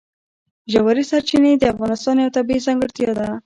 ژورې سرچینې د افغانستان یوه طبیعي ځانګړتیا ده.